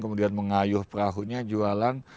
kemudian mengayuh perahunya jualan